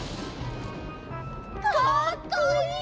かっこいい！